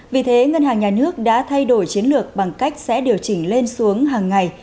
vì thế ngân hàng nhà nước đã thay đổi chiến lược bằng cách sẽ điều chỉnh lên xuống hàng ngày